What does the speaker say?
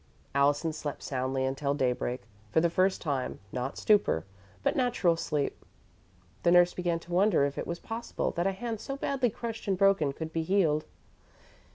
Allison slept soundly until daybreak, for the first time not stupor, but natural sleep. The nurse began to wonder if it was possible that a hand so badly crushed and broken could be healed.